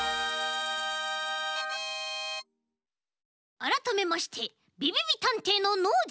あらためましてびびびたんていのノージーです。